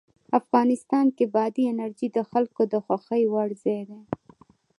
افغانستان کې بادي انرژي د خلکو د خوښې وړ ځای دی.